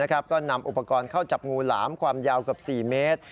ก็นำอุปกรณ์เข้าจับงูหลามความยาวเกือบ๔เมตร